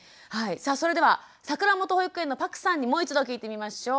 さあそれでは桜本保育園の朴さんにもう一度聞いてみましょう。